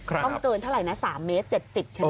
ครับต้องเกินเท่าไรนะสามเมตรเจ็ดสิบใช่ไหมโอ้